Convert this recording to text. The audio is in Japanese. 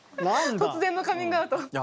突然のカミングアウト。